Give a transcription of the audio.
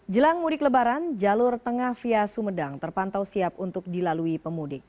jelang mudik lebaran jalur tengah via sumedang terpantau siap untuk dilalui pemudik